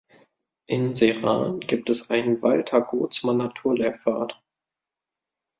In Serrahn gibt es einen Walter-Gotsmann-Naturlehrpfad.